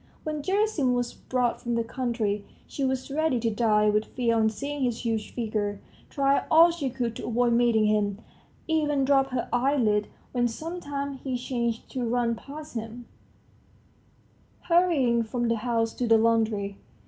When Gerasim was brought from the country, she was ready to die with fear on seeing his huge figure, tried all she could to avoid meeting him, even dropped her eyelids when sometimes she chanced to run past him, hurrying from the house to the laundry.